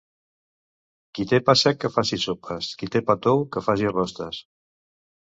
Qui té pa sec que faci sopes, qui té pa tou que faci rostes.